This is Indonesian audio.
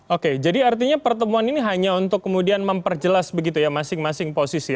oke jadi artinya pertemuan ini hanya untuk kemudian memperjelas begitu ya masing masing posisi